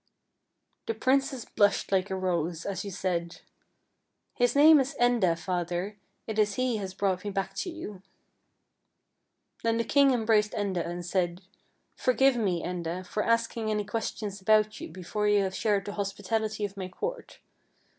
' The princess blushed like a rose as she said: " His name is Enda, father ; it is he has brought me back to you." Then the king embraced Enda and said :" Forgive me, Enda, for asking any questions about you before you have shared the hospitality of my court.